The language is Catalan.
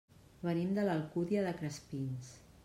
Venim de l'Alcúdia de Crespins.